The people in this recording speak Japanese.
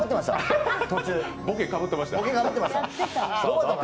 ボケかぶってきました。